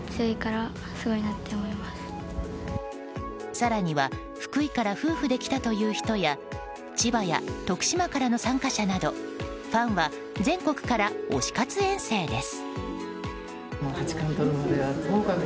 更には福井から夫婦で来たという人や千葉や徳島からの参加者などファンは全国から推し活遠征です。